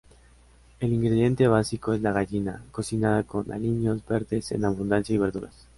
El ingrediente básico es la gallina, cocinada con aliños verdes en abundancia y verduras.